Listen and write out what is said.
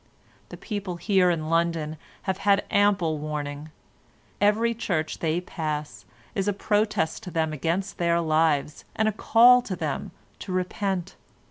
The people here in London have had ample warning. Every church they pass is a protest to them against their lives, and a call to them to repent.